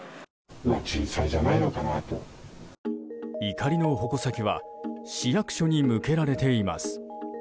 怒りの矛先は市役所に向けられています。